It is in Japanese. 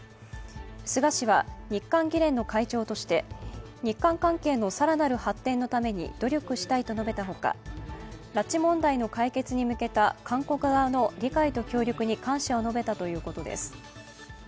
菅氏は日韓議連の会長として、日韓関係の更なる発展のために努力したいと述べたほか、拉致問題の解決に向けた韓国側の理解と協力に感謝を述べたということです。